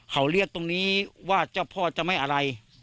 เขาเรียกตรงนี้ว่าเจ้าพ่อจะไม่อะไร